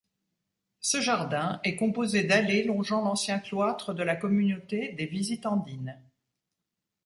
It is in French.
Ce jardin est composé d'allées longeant l'ancien cloître de la communauté des Visitandines.